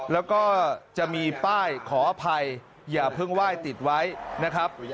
แล้วก็จะมีป้ายขออภัยอย่าเพิ่งไหว้ติดไว้นะครับ